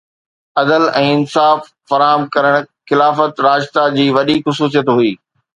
عدل ۽ انصاف فراهم ڪرڻ خلافت راشده جي وڏي خصوصيت هئي